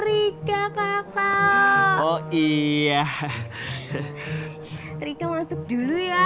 rika kakak oh iya rika masuk dulu ya